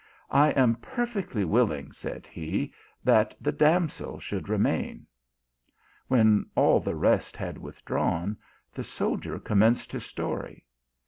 * I am perfectly will ing," said he, that the damsel should remain." When all the rest had withdrawn, the soldier com menced his story.